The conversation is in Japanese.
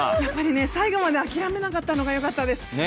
やっぱりね最後まで諦めなかったのがよかったです。